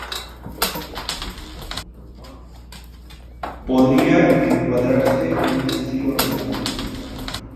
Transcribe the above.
Podría encuadrarse en un estilo renacentista.